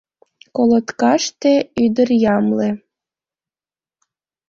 Колоткаште — ӱдыр ямле